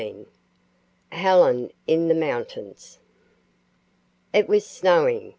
HELEN IN THE MOUNTAINS. It was snowing.